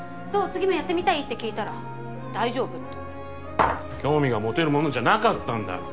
次もやってみたい？」って聞いたら「だいじょうぶ」って興味が持てるものじゃなかったんだ。